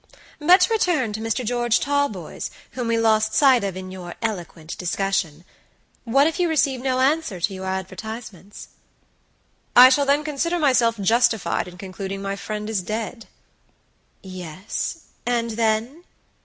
"But to return to Mr. George Talboys, whom we lost sight of in your eloquent discussion. What if you receive no answer to your advertisements?" "I shall then consider myself justified in concluding my friend is dead." "Yes, and then?"